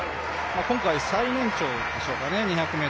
今回最年長でしょうかね